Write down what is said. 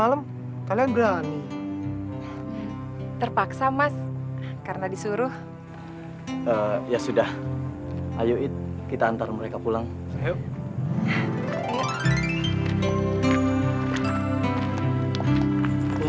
aku tidak pernah memikirkan keamanan milikmu